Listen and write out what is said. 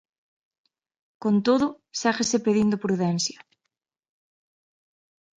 Con todo, séguese pedindo prudencia.